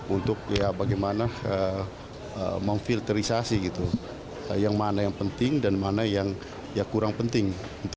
untuk bagaimana memfilterisasi gitu yang mana yang penting dan mana yang kurang penting